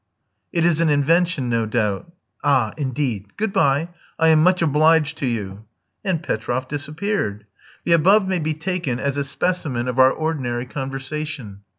"It is an invention, no doubt." "Ah, indeed. Good bye. I am much obliged to you." And Petroff disappeared. The above may be taken as a specimen of our ordinary conversation.